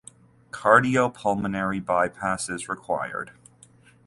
Cardiopulmonary bypass is required.